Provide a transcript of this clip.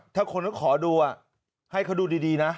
ถ้าคนเขาขอดูให้เขาดูดีนะ